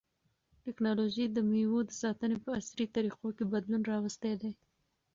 تکنالوژي د مېوو د ساتنې په عصري طریقو کې بدلون راوستی دی.